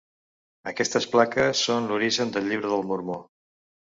Aquestes plaques són l'origen del Llibre del Mormó.